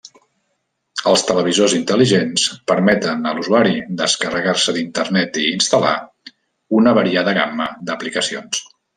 Els televisors intel·ligents permeten a l'usuari descarregar-se d'Internet i instal·lar una variada gamma d'aplicacions.